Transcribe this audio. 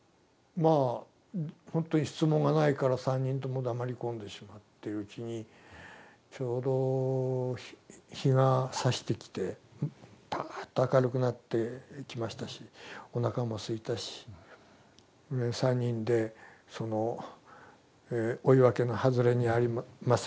まあほんとに質問がないから３人とも黙り込んでしまっているうちにちょうど日がさしてきてパーッと明るくなってきましたしおなかもすいたし３人でその追分の外れにあります